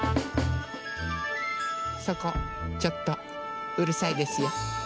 そこちょっとうるさいですよ。